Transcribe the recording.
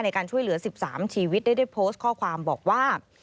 ในการช่วยเหลือ๑๓ชีวิตได้โพสต์ข้อความบอกว่า